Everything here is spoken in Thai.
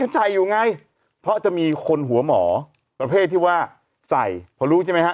ใส่อยู่ไงเพราะจะมีคนหัวหมอประเภทที่ว่าใส่พอรู้ใช่ไหมฮะ